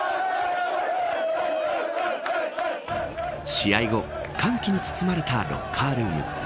試合後、歓喜に包まれたロッカールーム。